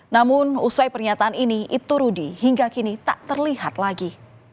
namun usai pernyataan ini ibtu rudi hingga kini tak terlihat lagi